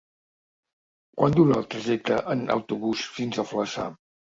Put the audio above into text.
Quant dura el trajecte en autobús fins a Flaçà?